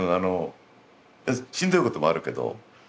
しんどいこともあるけど。